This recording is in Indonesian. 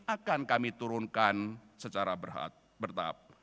akan kami turunkan secara bertahap